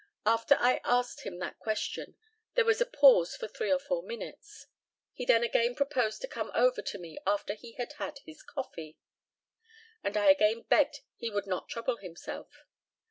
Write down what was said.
After I asked him that question there was a pause for three or four minutes. He then again proposed to come over to me after he had had his coffee, and I again begged he would not trouble himself.